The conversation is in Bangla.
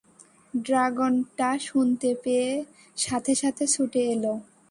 ড্রাগনটা শুনতে পেয়ে সাথে সাথে ছুটে এলো।